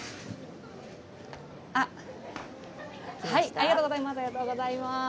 ありがとうございます。